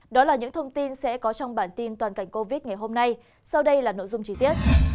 đó là những thông tin sẽ có trong bản tin toàn cảnh covid ngày hôm nay sau đây là nội dung chi tiết